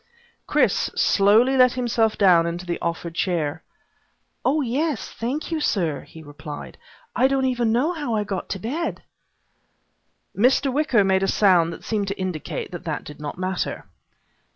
Chris slowly let himself down into the offered chair. "Oh yes, thank you sir," he replied. "I don't even know how I got to bed." Mr. Wicker made a sound that seemed to indicate that that did not matter.